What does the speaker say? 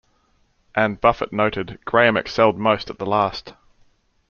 And Buffett noted, Graham excelled most at the last.